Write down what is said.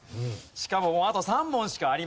しかもあと３問しかありません。